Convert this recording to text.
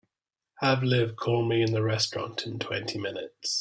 Have Liv call me in the restaurant in twenty minutes.